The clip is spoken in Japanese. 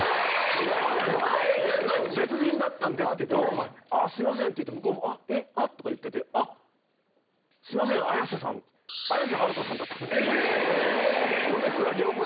別人だったんですけど「あっすいません」って言って向こうも「えっあっ」とか言ってて「すいません綾瀬さん」！何というミラクル！